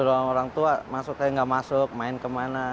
orang tua masuk kayak nggak masuk main kemana